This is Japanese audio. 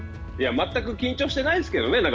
全く緊張してないですけどね